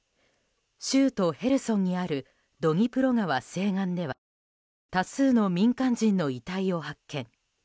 州都ヘルソンにあるドニプロ川西岸では多数の民間人の遺体を発見。